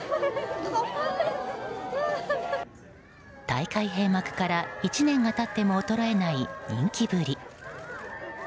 大会閉幕から１年が経っても衰えない人気ぶり。